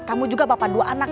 kamu juga bapak dua anak